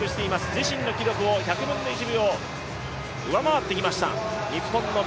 自身の記録を１００分の１秒上回ってきました。